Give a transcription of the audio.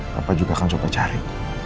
bapak juga akan coba cari